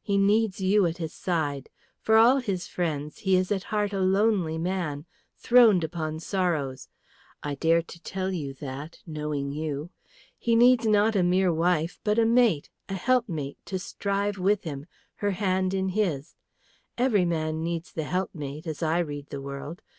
He needs you at his side. For all his friends, he is at heart a lonely man, throned upon sorrows. I dare to tell you that, knowing you. He needs not a mere wife, but a mate, a helpmate, to strive with him, her hand in his. Every man needs the helpmate, as I read the world.